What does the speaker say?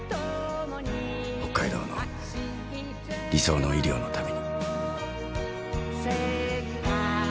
北海道の理想の医療のために。